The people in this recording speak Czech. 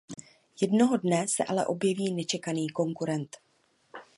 Jednoho dne se ale objeví nečekaný konkurent.